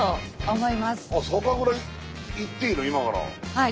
はい。